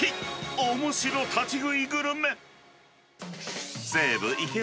おもしろ立ち食いグルメ。